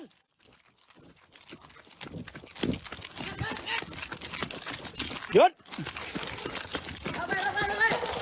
มึงเจ้าแม่น้ำ